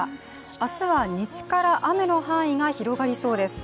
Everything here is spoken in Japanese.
明日は西から雨の範囲が広がりそうです。